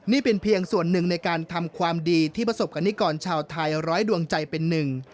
นี่เป็นเพียงส่วนหนึ่งในการทำความดีที่ประสบกรณิกรชาวไทยร้อยดวงใจเป็นหนึ่ง